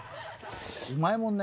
うまいもんね。